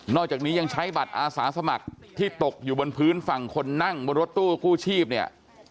อกจากนี้ยังใช้บัตรอาสาสมัครที่ตกอยู่บนพื้นฝั่งคนนั่งบนรถตู้กู้ชีพเนี่ย